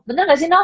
bener gak sih rno